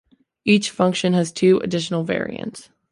Each function has two additional variants.